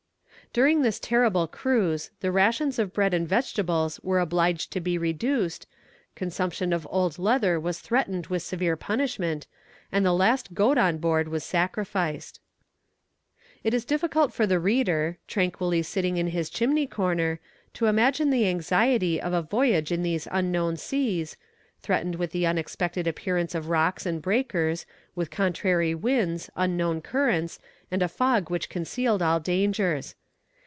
During this terrible cruise, the rations of bread and vegetables were obliged to be reduced, consumption of old leather was threatened with severe punishment, and the last goat on board was sacrificed. It is difficult for the reader, tranquilly sitting in his chimney corner, to imagine the anxiety of a voyage in these unknown seas, threatened with the unexpected appearance of rocks and breakers, with contrary winds, unknown currents, and a fog which concealed all dangers.